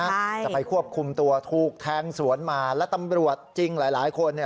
ใช่จะไปควบคุมตัวถูกแทงสวนมาและตำรวจจริงหลายหลายคนเนี่ย